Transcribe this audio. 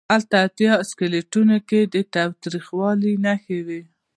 هلته اتیا سلکیټونو کې د تاوتریخوالي نښې وې.